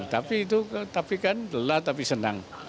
tapi itu tapi kan lelah tapi senang